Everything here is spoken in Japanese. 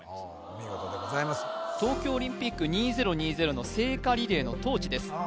見事でございます東京オリンピック２０２０の聖火リレーのトーチです